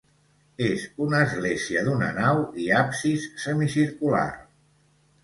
És una església d'una nau i absis semicircular.